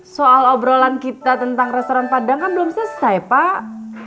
soal obrolan kita tentang restoran padang kan belum selesai pak